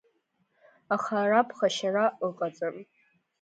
Аха ара ԥхашьара ыҟаӡам.